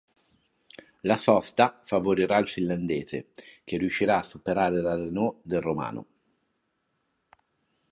La sosta favorirà il finlandese, che riuscirà a superare la Renault del romano.